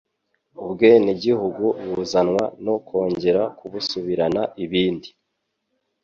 Ubwenegihugu buzanwa no kongera kubusubirana ibindi.